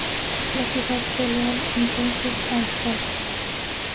La ciudad fue leal entonces a Esparta.